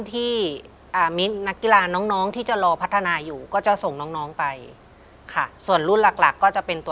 ที่นักกีฬาน้องที่จะรอพัฒนาอยู่ก็จะส่งน้อยไปค่ะส่วนรูทหลักก็จะเป็นตัว